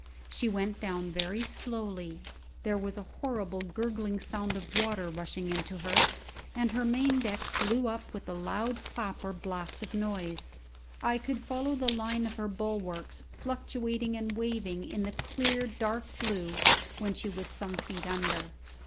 She went down very slowly; there was a horrible gurgling sound of water rushing into her, and her main deck blew up with a loud clap or blast of noise. I could follow the line of her bulwarks fluctuating and waving in the clear dark blue when she was some feet under.